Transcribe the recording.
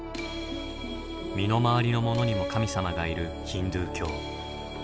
身の回りのものにも神様がいるヒンドゥー教。